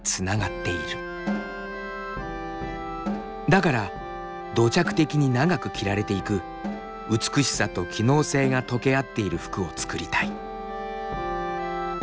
だから土着的に長く着られていく美しさと機能性が溶け合っている服を作りたい。